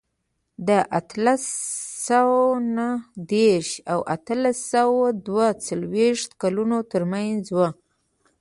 دا د اتلس سوه نهه دېرش او اتلس سوه دوه څلوېښت کلونو ترمنځ و.